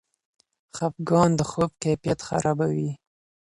خفګان د خوب کیفیت خرابوي.